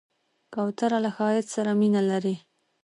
کوتره له ښایست سره مینه لري.